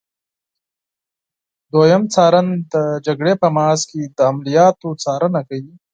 دوهم څارن د جګړې په محاذ کې د عملیاتو څارنه کوي.